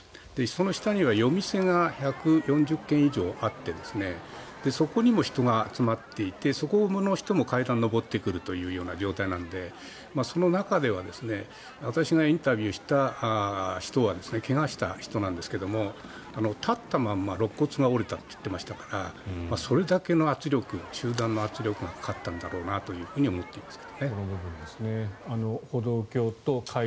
その下には夜店が１４０軒以上あってそこにも人が集まっていてそこの人も階段を上ってくるという状態なのでその中では私がインタビューした人は怪我した人なんですが立ったままろっ骨が折れたって言ってましたからそれだけの圧力集団の圧力がかかったんだろうなと思いますけどね。